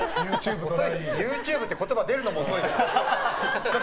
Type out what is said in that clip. ＹｏｕＴｕｂｅって言葉出るのも遅いし。